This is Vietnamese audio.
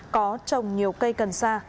có trồng nhiều cây cần xa